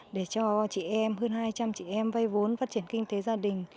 để cho chị em hơn hai trăm linh chị em vay vốn phát triển kinh tế gia đình